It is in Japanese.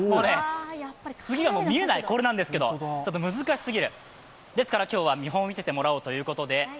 次が見えない、これなんですけど難しすぎるですから今日は見本を見せてもらおうということで。